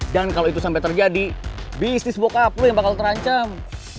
dan kalo itu sampe terjadi bisnis bokap lo yang bakal terancam